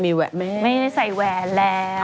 ไม่ได้ใส่แหวนแล้ว